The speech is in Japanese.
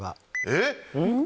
えっ？